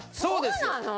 そうなの？